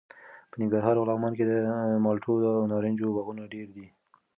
په ننګرهار او لغمان کې د مالټو او نارنجو باغونه ډېر دي.